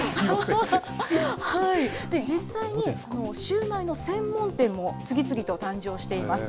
実際に、シューマイの専門店も次々と誕生しています。